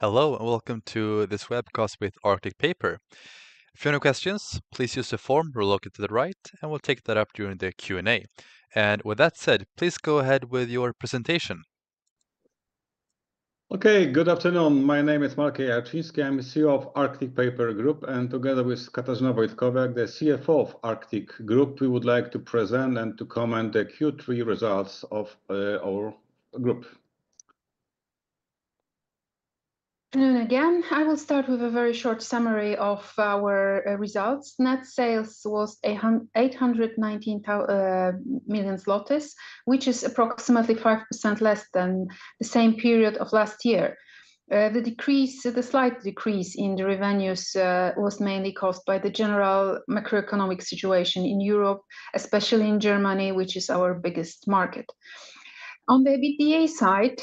Hello, and welcome to this webcast with Arctic Paper. If you have any questions, please use the form located to the right, and we'll take that up during the Q&A, and with that said, please go ahead with your presentation. Okay, good afternoon. My name is Michał Jarczyński. I'm the CEO of Arctic Paper Group, and together with Katarzyna Wojtkowiak, the CFO of Arctic Group, we would like to present and to comment on the Q3 results of our group. I will start with a very short summary of our results. Net sales was 819 million, which is approximately 5% less than the same period of last year. The decrease, the slight decrease in the revenues, was mainly caused by the general macroeconomic situation in Europe, especially in Germany, which is our biggest market. On the EBITDA side,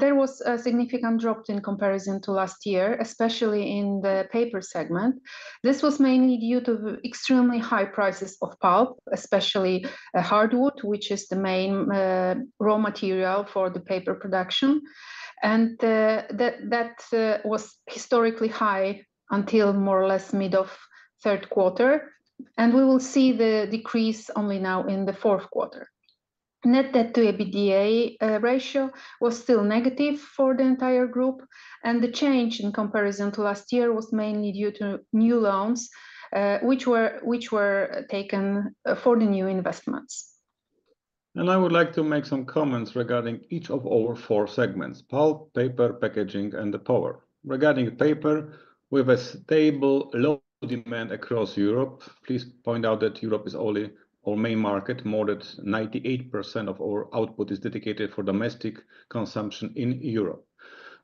there was a significant drop in comparison to last year, especially in the paper segment. This was mainly due to extremely high prices of pulp, especially hardwood, which is the main raw material for the paper production. That was historically high until more or less mid of the third quarter. We will see the decrease only now in the fourth quarter. Net debt to EBITDA ratio was still negative for the entire group. The change in comparison to last year was mainly due to new loans, which were taken for the new investments. I would like to make some comments regarding each of our four segments: Pulp, Paper, Packaging, and the Power. Regarding the Paper, we have a stable low demand across Europe. Please point out that Europe is only our main market. More than 98% of our output is dedicated for domestic consumption in Europe.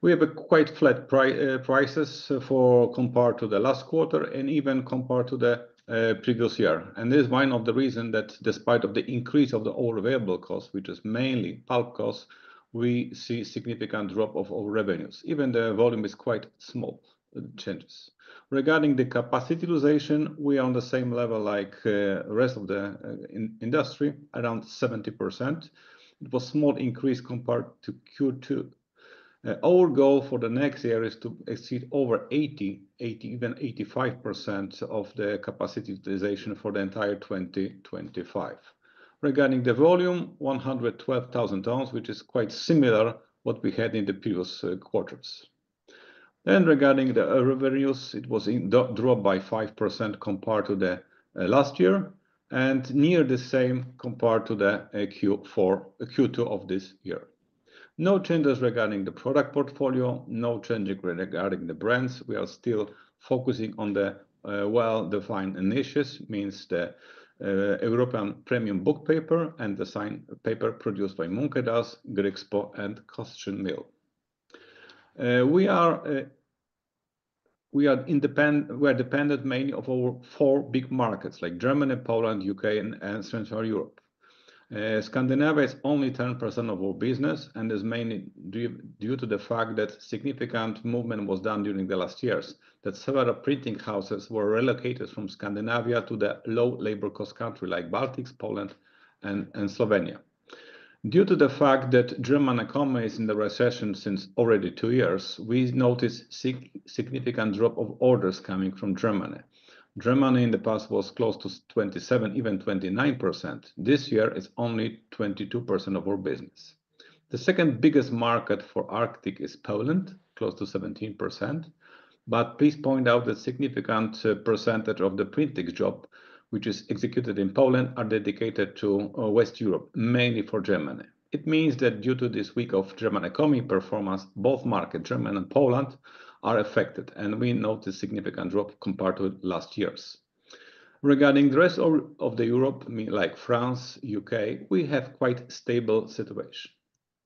We have quite flat prices compared to the last quarter and even compared to the previous year. This is one of the reasons that, despite the increase of our variable costs, which is mainly pulp costs, we see a significant drop of our revenues. Even the volume is quite small changes. Regarding the capacity utilization, we are on the same level as the rest of the industry, around 70%. It was a small increase compared to Q2. Our goal for the next year is to exceed over 80%-85% of the capacity utilization for the entire 2025. Regarding the volume, 112,000 tons, which is quite similar to what we had in the previous quarters. Regarding the revenues, it was dropped by 5% compared to last year and near the same compared to Q2 of this year. No changes regarding the product portfolio, no changes regarding the brands. We are still focusing on the well-defined niches, meaning the European premium book paper and design paper produced by Munkedal, Grycksbo, and Kostrzyn Mill. We are dependent mainly on our four big markets, like Germany, Poland, the U.K., and Central Europe. Scandinavia is only 10% of our business, and it's mainly due to the fact that significant movement was done during the last years, that several printing houses were relocated from Scandinavia to the low-labor-cost countries like Baltics, Poland, and Slovenia. Due to the fact that German economy is in the recession since already two years, we noticed a significant drop of orders coming from Germany. Germany in the past was close to 27%, even 29%. This year, it's only 22% of our business. The second biggest market for Arctic is Poland, close to 17%. But please point out that a significant percentage of the printing job, which is executed in Poland, is dedicated to Western Europe, mainly for Germany. It means that due to this weak German economy performance, both markets, Germany and Poland, are affected, and we noticed a significant drop compared to last year's. Regarding the rest of Europe, like France, the U.K., we have a quite stable situation.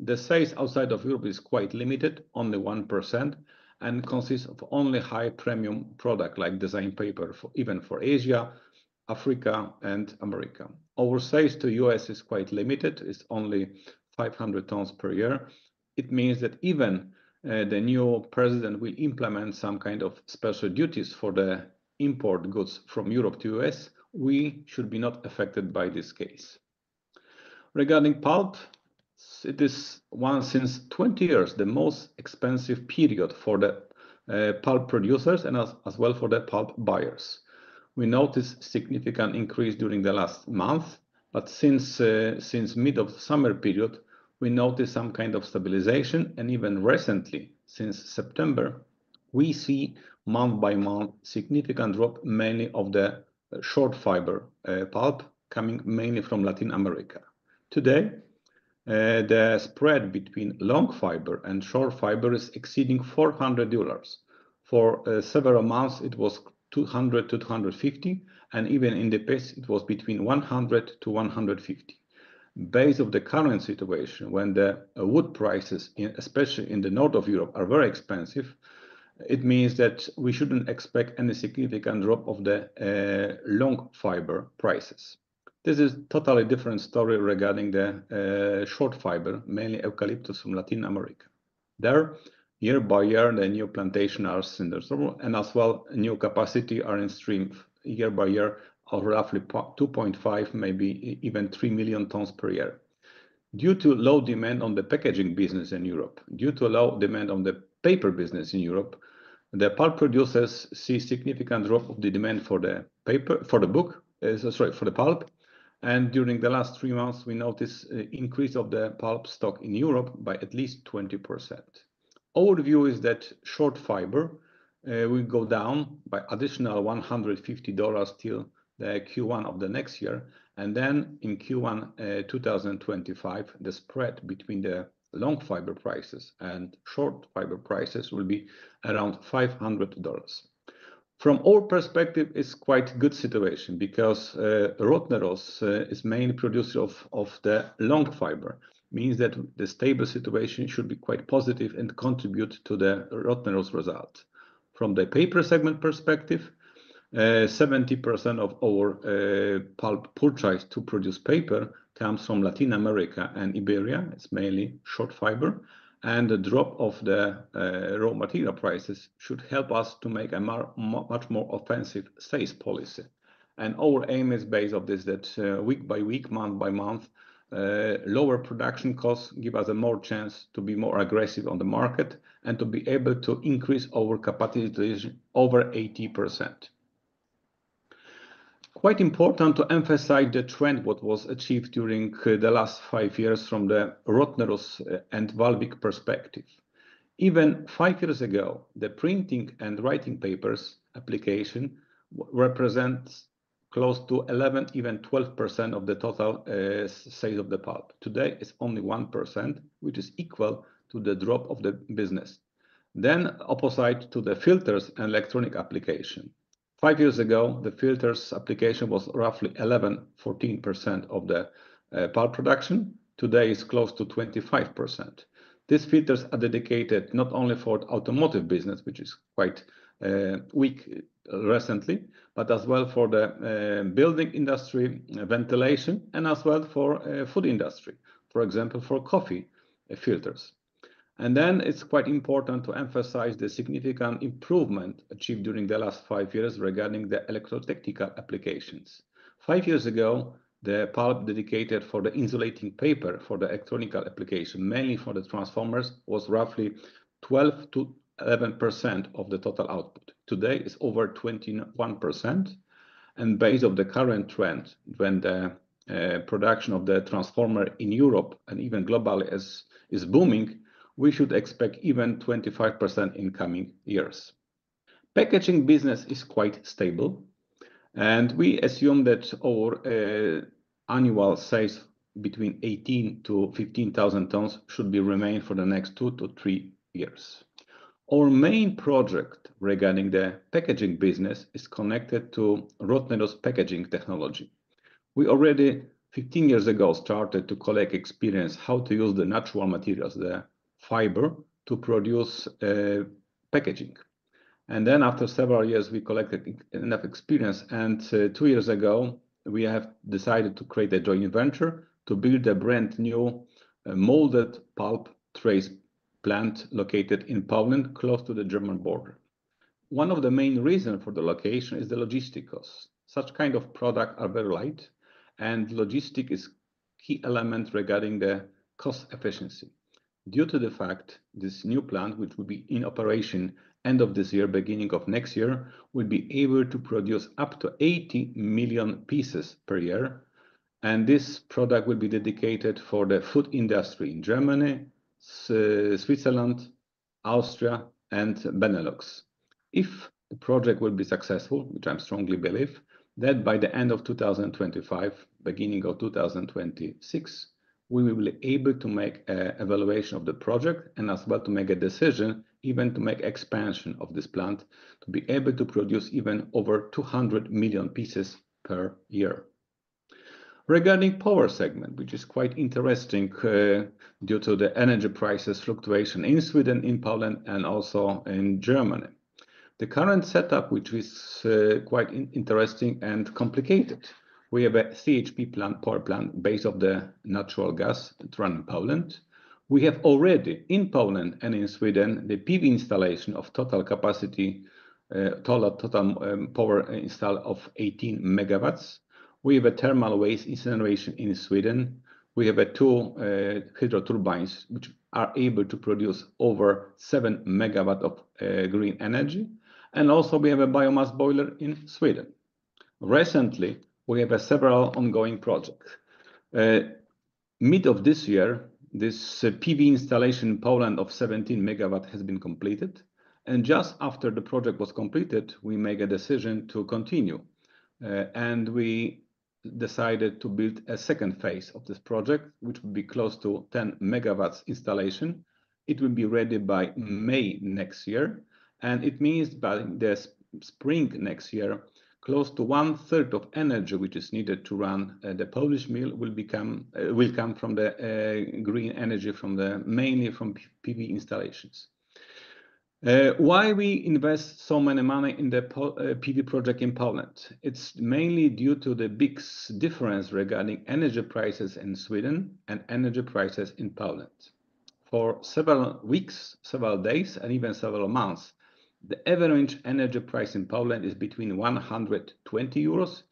The sales outside of Europe are quite limited, only 1%, and consist of only high premium products like design paper, even for Asia, Africa, and America. Our sales to the U.S. are quite limited. It's only 500 tons per year. It means that even if the new president implements some kind of special duties for the import goods from Europe to the U.S., we should not be affected by this case. Regarding pulp, it is, one, since 20 years, the most expensive period for the pulp producers and as well for the pulp buyers. We noticed a significant increase during the last month, but since the mid-summer period, we noticed some kind of stabilization. Even recently, since September, we see month by month a significant drop, mainly of the short fiber pulp coming mainly from Latin America. Today, the spread between long fiber and short fiber is exceeding $400. For several months, it was $200-$250, and even in the past, it was between $100-$150. Based on the current situation, when the wood prices, especially in the north of Europe, are very expensive, it means that we shouldn't expect any significant drop of the long fiber prices. This is a totally different story regarding the short fiber, mainly eucalyptus from Latin America. There, year by year, the new plantations are in the zone, and as well, new capacities are in stream year by year, of roughly 2.5, maybe even 3 million tons per year. Due to low demand on the packaging business in Europe, due to low demand on the paper business in Europe, the pulp producers see a significant drop of the demand for the paper, for the book, sorry, for the pulp. During the last three months, we noticed an increase of the pulp stock in Europe by at least 20%. Our view is that short fiber will go down by an additional $150 till Q1 of the next year. Then in Q1 2025, the spread between the long fiber prices and short fiber prices will be around $500. From our perspective, it's a quite good situation because Rottneros is the main producer of the long fiber. It means that the stable situation should be quite positive and contribute to the Rottneros result. From the Paper segment perspective, 70% of our pulp purchase to produce paper comes from Latin America and Iberia. It's mainly short fiber. And the drop of the raw material prices should help us to make a much more offensive sales policy. And our aim is based on this that week by week, month by month, lower production costs give us a more chance to be more aggressive on the market and to be able to increase our capacity utilization over 80%. Quite important to emphasize the trend of what was achieved during the last five years from the Rottneros and Vallvik perspective. Even five years ago, the printing and writing papers application represents close to 11%-12% of the total sales of the pulp. Today, it's only 1%, which is equal to the drop of the business. Opposite to the filters and electrotechnical application, five years ago, the filters application was roughly 11-14% of the pulp production. Today, it's close to 25%. These filters are dedicated not only for the automotive business, which is quite weak recently, but as well for the building industry, ventilation, and as well for the food industry, for example, for coffee filters. It is quite important to emphasize the significant improvement achieved during the last five years regarding the electrotechnical applications. Five years ago, the pulp dedicated for the insulating paper for the electrotechnical application, mainly for the transformers, was roughly 11-12% of the total output. Today, it's over 21%. Based on the current trend, when the production of the transformer in Europe and even globally is booming, we should expect even 25% in coming years. Packaging business is quite stable. We assume that our annual sales between 18,000 to 15,000 tons should remain for the next two to three years. Our main project regarding the packaging business is connected to Rottneros packaging technology. We already, 15 years ago, started to collect experience on how to use the natural materials, the fiber, to produce packaging. Then, after several years, we collected enough experience. Two years ago, we have decided to create a joint venture to build a brand new molded fiber tray plant located in Poland, close to the German border. One of the main reasons for the location is the logistic costs. Such kinds of products are very light, and logistics is a key element regarding the cost efficiency. Due to the fact that this new plant, which will be in operation at the end of this year, beginning of next year, will be able to produce up to 80 million pieces per year, and this product will be dedicated for the food industry in Germany, Switzerland, Austria, and Benelux. If the project will be successful, which I strongly believe, then by the end of 2025, beginning of 2026, we will be able to make an evaluation of the project and as well to make a decision, even to make an expansion of this plant to be able to produce even over 200 million pieces per year. Regarding the power segment, which is quite interesting due to the energy prices fluctuation in Sweden, in Poland, and also in Germany. The current setup, which is quite interesting and complicated, we have a CHP power plant based on the natural gas that runs in Poland. We have already in Poland and in Sweden the PV installation of total capacity, total power install of 18 MW. We have a thermal waste incineration in Sweden. We have two hydro turbines which are able to produce over 7 MW of green energy, and also we have a biomass boiler in Sweden. Recently, we have several ongoing projects. Mid of this year, this PV installation in Poland of 17 MW has been completed, and just after the project was completed, we made a decision to continue, and we decided to build a second phase of this project, which will be close to 10 MW installation. It will be ready by May next year. It means by the spring next year, close to one-third of the energy which is needed to run the Polish mill will come from the green energy, mainly from PV installations. Why do we invest so much money in the PV project in Poland? It's mainly due to the big difference regarding energy prices in Sweden and energy prices in Poland. For several weeks, several days, and even several months, the average energy price in Poland is between 120 euros,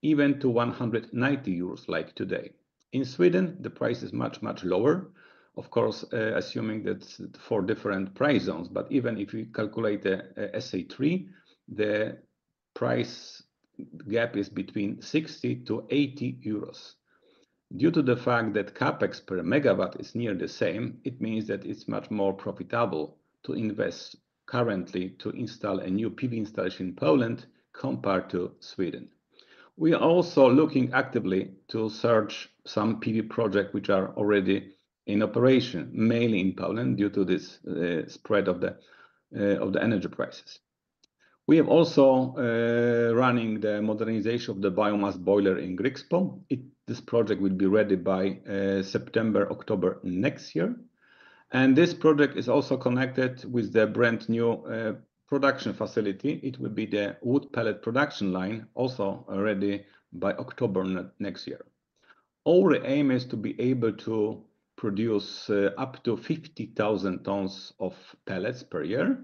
even to 190 euros like today. In Sweden, the price is much, much lower, of course, assuming that it's for different price zones. But even if you calculate the SE3, the price gap is between 60-80 euros. Due to the fact that Capex per megawatt is near the same, it means that it's much more profitable to invest currently to install a new PV installation in Poland compared to Sweden. We are also looking actively to search for some PV projects which are already in operation, mainly in Poland, due to this spread of the energy prices. We are also running the modernization of the biomass boiler in Grycksbo. This project will be ready by September, October next year, and this project is also connected with the brand new production facility. It will be the wood pellet production line, also ready by October next year. Our aim is to be able to produce up to 50,000 tons of pellets per year.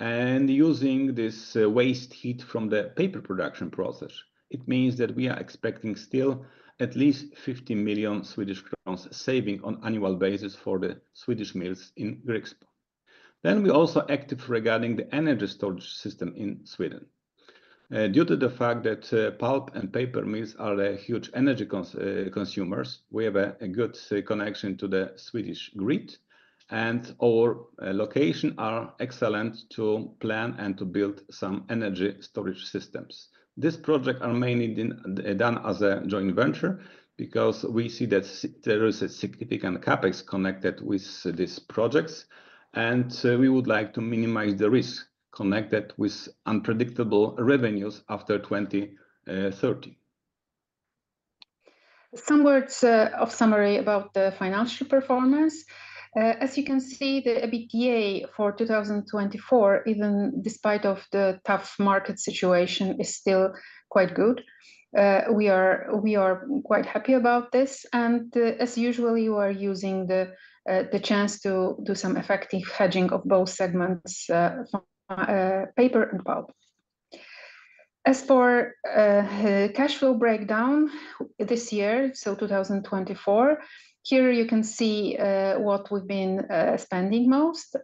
And using this waste heat from the paper production process, it means that we are expecting still at least 50 million Swedish crowns savings on an annual basis for the Swedish mills in Grycksbo. Then we are also active regarding the energy storage system in Sweden. Due to the fact that pulp and paper mills are huge energy consumers, we have a good connection to the Swedish grid. And our locations are excellent to plan and to build some energy storage systems. This project is mainly done as a joint venture because we see that there is a significant CapEx connected with these projects. And we would like to minimize the risk connected with unpredictable revenues after 2030. Some words of summary about the financial performance. As you can see, the EBITDA for 2024, even despite the tough market situation, is still quite good. We are quite happy about this. As usual, you are using the chance to do some effective hedging of both segments, paper and pulp. As for cash flow breakdown this year, so 2024, here you can see what we've been spending most.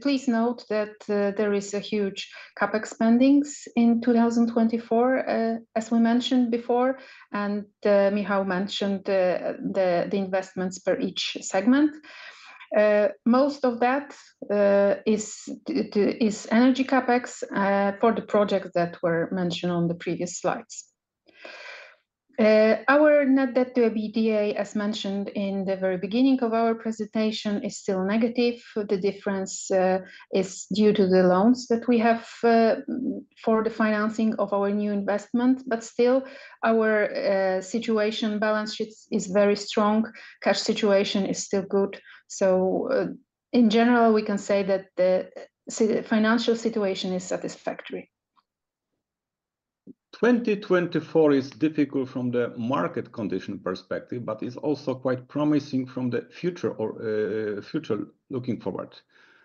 Please note that there are huge CapEx spendings in 2024, as we mentioned before. Michał mentioned the investments for each segment. Most of that is energy CapEx for the projects that were mentioned on the previous slides. Our net debt to EBITDA, as mentioned in the very beginning of our presentation, is still negative. The difference is due to the loans that we have for the financing of our new investment. But still, our situation balance sheet is very strong. Cash situation is still good. In general, we can say that the financial situation is satisfactory. 2024 is difficult from the market condition perspective, but it's also quite promising from the future looking forward.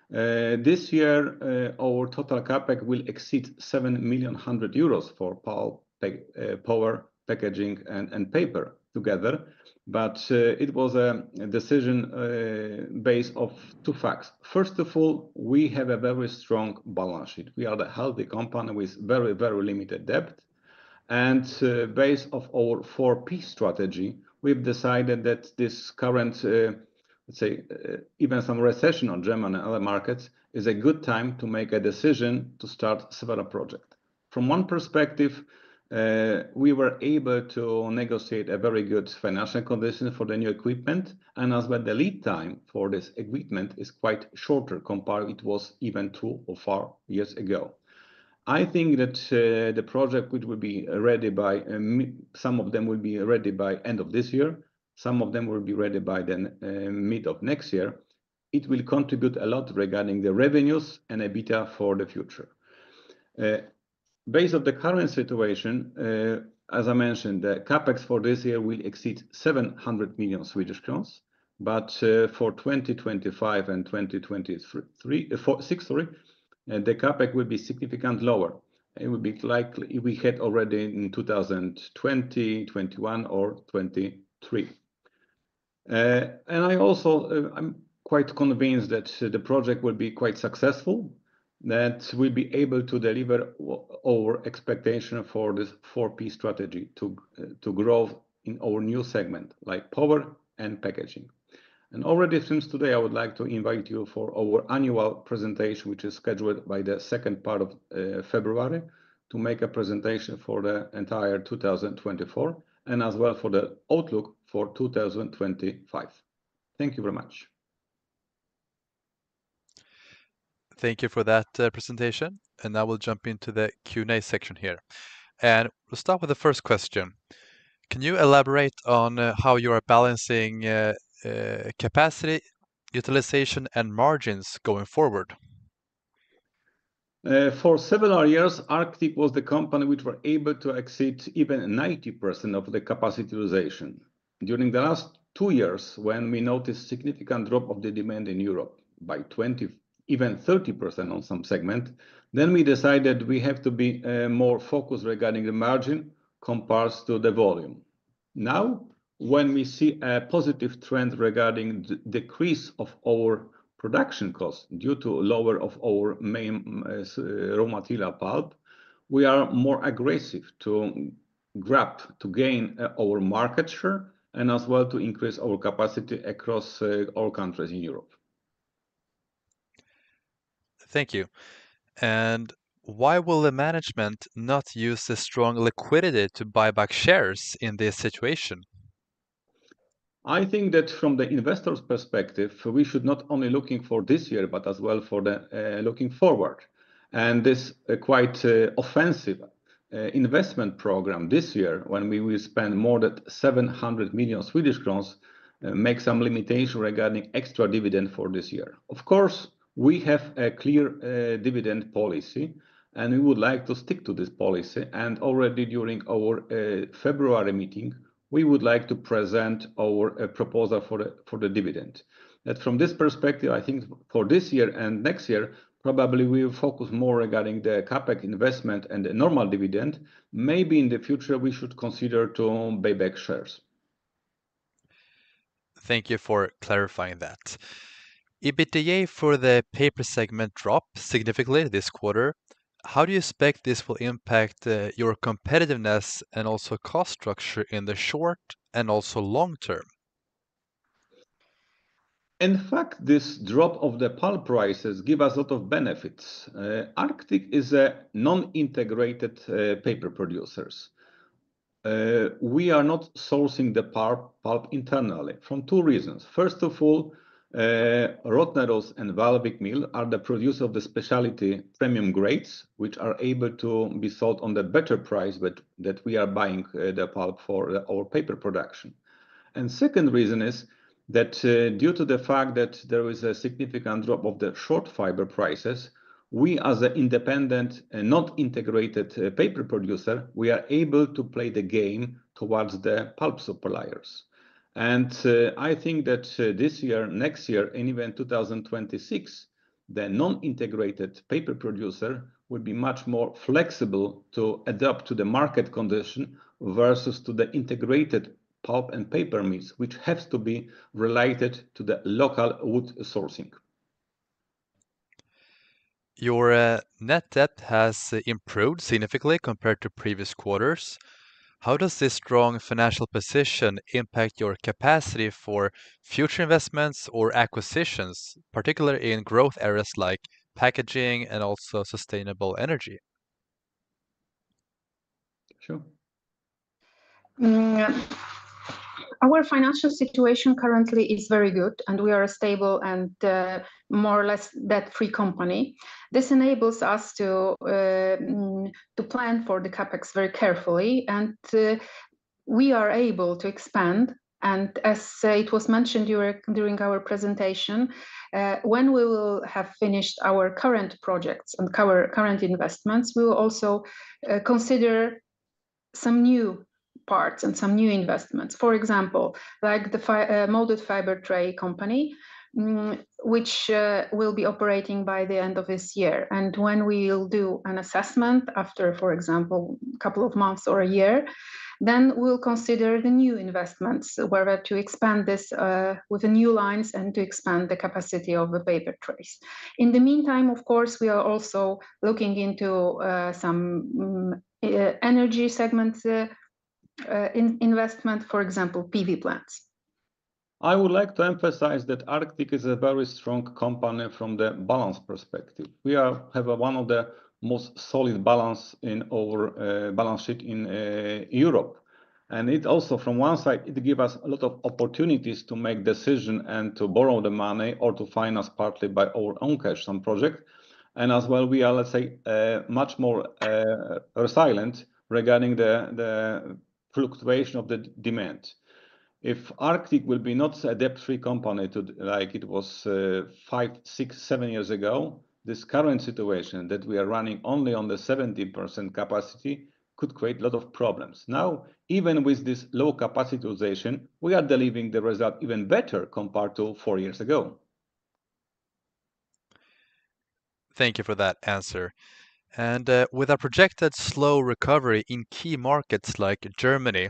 This year, our total Capex will exceed 7.1 million for pulp, power, packaging, and paper together, but it was a decision based on two facts. First of all, we have a very strong balance sheet. We are a healthy company with very, very limited debt, and based on our 4P strategy, we've decided that this current, let's say, even some recession in Germany and other markets is a good time to make a decision to start several projects. From one perspective, we were able to negotiate a very good financial condition for the new equipment, and as well, the lead time for this equipment is quite shorter compared to what it was even two or four years ago. I think that the project which will be ready by some of them will be ready by the end of this year. Some of them will be ready by the mid of next year. It will contribute a lot regarding the revenues and EBITDA for the future. Based on the current situation, as I mentioned, the Capex for this year will exceed 700 million Swedish crowns. But for 2025 and 2026, the Capex will be significantly lower. It will be like we had already in 2020, 2021, or 2023, and I also am quite convinced that the project will be quite successful, that we'll be able to deliver our expectation for this 4P strategy to grow in our new segment, like power and packaging. Already since today, I would like to invite you for our annual presentation, which is scheduled by the second part of February, to make a presentation for the entire 2024 and as well for the outlook for 2025. Thank you very much. Thank you for that presentation. And now we'll jump into the Q&A section here. And we'll start with the first question. Can you elaborate on how you are balancing capacity utilization and margins going forward? For several years, Arctic was the company which was able to exceed even 90% of the capacity utilization. During the last two years, when we noticed a significant drop of the demand in Europe by 20%, even 30% on some segment, then we decided we have to be more focused regarding the margin compared to the volume. Now, when we see a positive trend regarding the decrease of our production costs due to the lower of our main raw material pulp, we are more aggressive to grab, to gain our market share, and as well to increase our capacity across all countries in Europe. Thank you. And why will the management not use the strong liquidity to buy back shares in this situation? I think that from the investor's perspective, we should not only look for this year, but as well for looking forward. And this is quite an offensive investment program this year when we will spend more than 700 million Swedish crowns to make some limitation regarding extra dividend for this year. Of course, we have a clear dividend policy, and we would like to stick to this policy. And already during our February meeting, we would like to present our proposal for the dividend. From this perspective, I think for this year and next year, probably we will focus more regarding the Capex investment and the normal dividend. Maybe in the future, we should consider buyback shares. Thank you for clarifying that. EBITDA for the Paper segment dropped significantly this quarter. How do you expect this will impact your competitiveness and also cost structure in the short and also long term? In fact, this drop of the pulp prices gives us a lot of benefits. Arctic is a non-integrated paper producer. We are not sourcing the pulp internally for two reasons. First of all, Rottneros and Vallvik Mill are the producers of the specialty premium grades, which are able to be sold at a better price than we are buying the pulp for our paper production. The second reason is that due to the fact that there is a significant drop of the short fiber prices, we as an independent and not integrated paper producer, we are able to play the game towards the pulp suppliers. I think that this year, next year, and even 2026, the non-integrated paper producer will be much more flexible to adapt to the market condition versus to the integrated pulp and paper mills, which have to be related to the local wood sourcing. Your net debt has improved significantly compared to previous quarters. How does this strong financial position impact your capacity for future investments or acquisitions, particularly in growth areas like packaging and also sustainable energy? Sure. Our financial situation currently is very good, and we are a stable and more or less debt-free company. This enables us to plan for the Capex very carefully. We are able to expand. As it was mentioned during our presentation, when we will have finished our current projects and our current investments, we will also consider some new parts and some new investments. For example, like the molded fiber trays company, which will be operating by the end of this year. When we will do an assessment after, for example, a couple of months or a year, then we'll consider the new investments whether to expand this with new lines and to expand the capacity of the paper trays. In the meantime, of course, we are also looking into some energy segment investment, for example, PV plants. I would like to emphasize that Arctic is a very strong company from the balance perspective. We have one of the most solid balances in our balance sheet in Europe. And it also, from one side, gives us a lot of opportunities to make decisions and to borrow the money or to finance partly by our own cash on projects. And as well, we are, let's say, much more resilient regarding the fluctuation of the demand. If Arctic would be not a debt-free company like it was five, six, seven years ago, this current situation that we are running only on the 70% capacity could create a lot of problems. Now, even with this low capacity utilization, we are delivering the result even better compared to four years ago. Thank you for that answer. And with a projected slow recovery in key markets like Germany,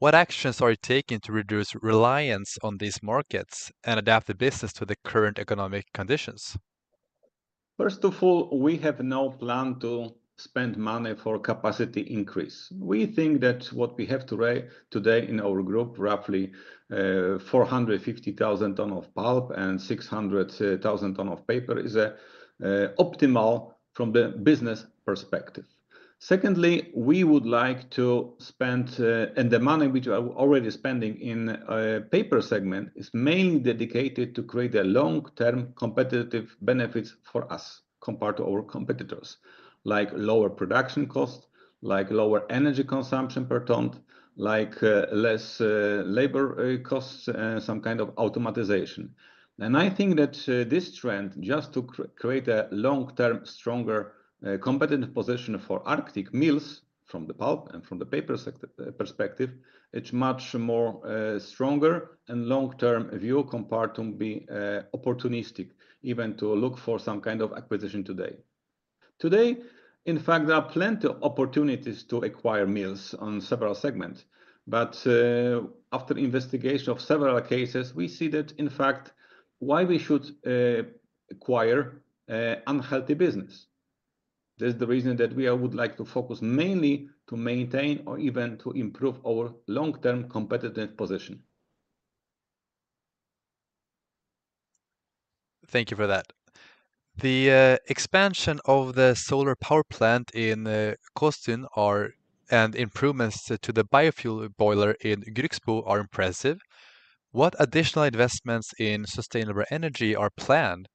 what actions are you taking to reduce reliance on these markets and adapt the business to the current economic conditions? First of all, we have no plan to spend money for capacity increase. We think that what we have today in our group, roughly 450,000 tons of pulp and 600,000 tons of paper, is optimal from the business perspective. Secondly, we would like to spend, and the money which we are already spending in the paper segment is mainly dedicated to creating long-term competitive benefits for us compared to our competitors, like lower production costs, like lower energy consumption per ton, like less labor costs, and some kind of automation, and I think that this trend, just to create a long-term stronger competitive position for Arctic mills from the pulp and from the paper perspective, it's much more stronger and long-term view compared to be opportunistic even to look for some kind of acquisition today. Today, in fact, there are plenty of opportunities to acquire mills on several segments. After investigation of several cases, we see that, in fact, why we should acquire unhealthy business. This is the reason that we would like to focus mainly to maintain or even to improve our long-term competitive position. Thank you for that. The expansion of the solar power plant in Kostrzyn and improvements to the biomass boiler in Grycksbo are impressive. What additional investments in sustainable energy are planned?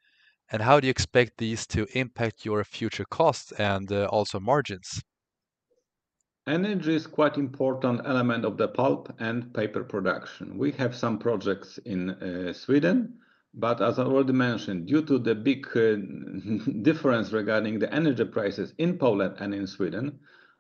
And how do you expect these to impact your future costs and also margins? Energy is a quite important element of the pulp and paper production. We have some projects in Sweden. But as I already mentioned, due to the big difference regarding the energy prices in Poland and in Sweden,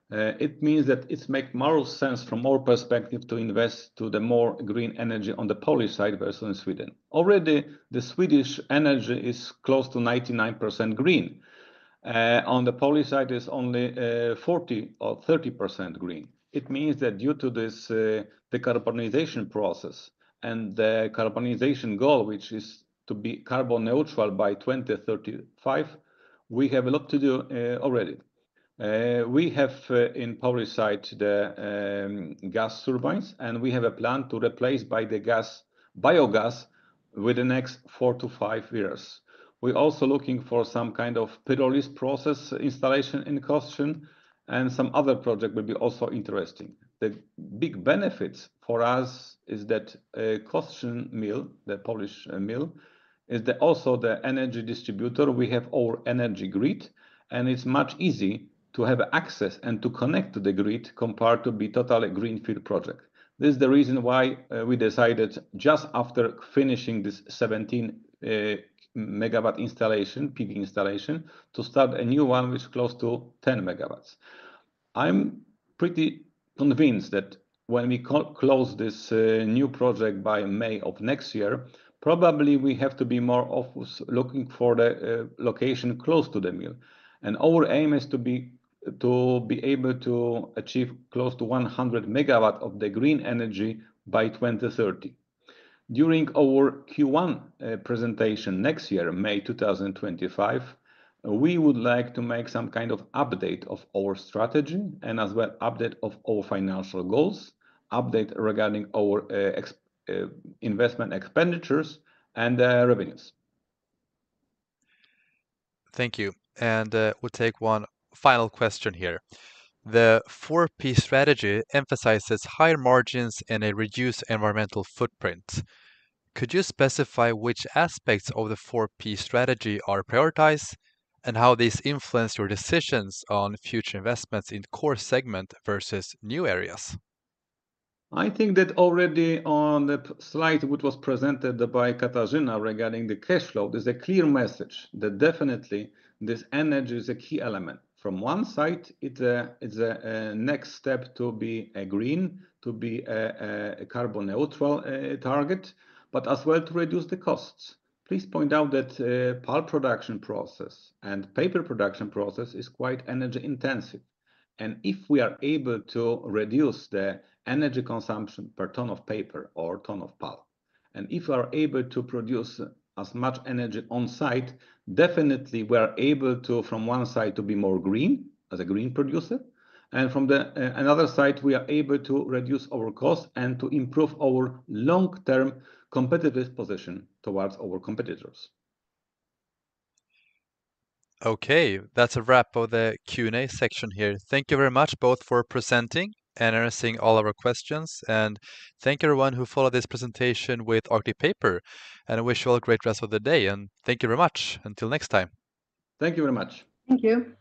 it means that it makes more sense from our perspective to invest in the more green energy on the Polish side versus in Sweden. Already, the Swedish energy is close to 99% green. On the Polish side, it's only 40% or 30% green. It means that due to this decarbonization process and the decarbonization goal, which is to be carbon neutral by 2035, we have a lot to do already. We have on the Polish side the gas turbines, and we have a plan to replace by the biogas within the next four to five years. We're also looking for some kind of pyrolysis process installation in Kostrzyn, and some other projects will be also interesting. The big benefits for us is that Kostrzyn mill, the Polish mill, is also the energy distributor. We have our energy grid, and it's much easier to have access and to connect to the grid compared to being totally a greenfield project. This is the reason why we decided just after finishing this 17 MW installation, PV installation, to start a new one which is close to 10 MW. I'm pretty convinced that when we close this new project by May of next year, probably we have to be more of looking for the location close to the mill. And our aim is to be able to achieve close to 100 MW of the green energy by 2030. During our Q1 presentation next year, May 2025, we would like to make some kind of update of our strategy and as well update of our financial goals, update regarding our investment expenditures and revenues. Thank you. And we'll take one final question here. The 4P strategy emphasizes higher margins and a reduced environmental footprint. Could you specify which aspects of the 4P strategy are prioritized and how these influence your decisions on future investments in core segment versus new areas? I think that already on the slide which was presented by Katarzyna regarding the cash flow, there's a clear message that definitely this energy is a key element. From one side, it's a next step to be green, to be a carbon neutral target, but as well to reduce the costs. Please point out that pulp production process and paper production process is quite energy intensive. And if we are able to reduce the energy consumption per ton of paper or ton of pulp, and if we are able to produce as much energy on site, definitely we are able to, from one side, to be more green as a green producer. And from another side, we are able to reduce our costs and to improve our long-term competitive position towards our competitors. Okay, that's a wrap of the Q&A section here. Thank you very much both for presenting and answering all our questions. And thank you everyone who followed this presentation with Arctic Paper. And I wish you all a great rest of the day. And thank you very much. Until next time. Thank you very much. Thank you.